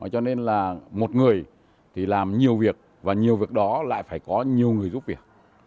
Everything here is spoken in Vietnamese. cho nên là một người thì làm nhiều việc và nhiều việc đó lại phải có nhiều người giúp việc